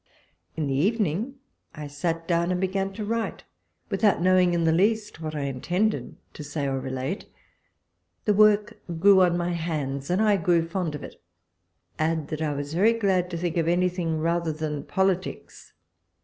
In the evening, I sat down, and began to write, without knowing in the least what I intended to say or relate. The work grew on my hands, and I grew fond of it — add, that I was very glad to think of anything, rather than politics.